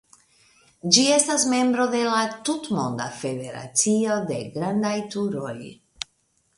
Ĝi estas membro de la Tutmonda Federacio de Grandaj Turoj.